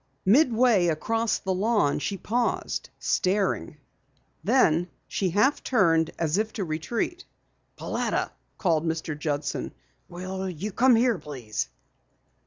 Midway across the lawn, she paused, staring. Then, she half turned as if to retreat. "Pauletta," called Mr. Judson. "Will you come here, please?"